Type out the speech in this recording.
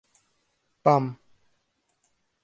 Μπαμ!